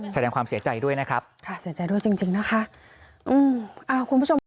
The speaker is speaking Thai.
แสดงความเสียใจด้วยนะครับค่ะเสียใจด้วยจริงนะคะ